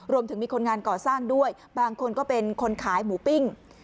มีคนงานก่อสร้างด้วยบางคนก็เป็นคนขายหมูปิ้ง